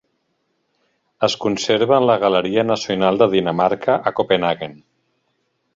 Es conserva en la Galeria Nacional de Dinamarca a Copenhaguen.